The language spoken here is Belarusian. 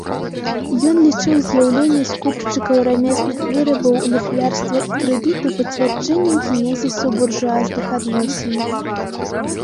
Ён лічыў з'яўленне скупшчыкаў рамесных вырабаў, ліхвярства і крэдыту пацвярджэннем генезісу буржуазных адносін.